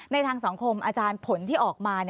ในทางสังคมอาจารย์ผลที่ออกมา